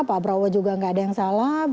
pak prabowo juga gak ada yang salah